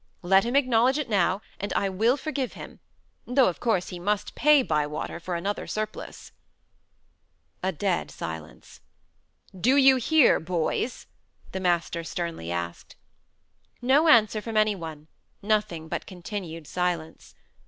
Let him acknowledge it now, and I will forgive him; though of course he must pay Bywater for another surplice." A dead silence. "Do you hear, boys?" the master sternly asked. No answer from any one; nothing but continued silence.